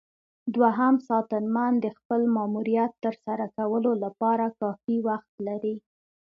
دوهم ساتنمن د خپل ماموریت ترسره کولو لپاره کافي وخت لري.